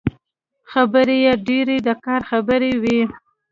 خبرې يې ډېرې د کار خبرې وې.